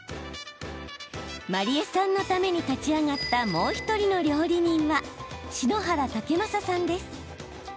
真里絵さんのために立ち上がったもう１人の料理人は篠原武将さんです。